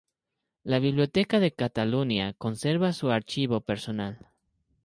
La "Biblioteca de Catalunya" conserva su archivo personal.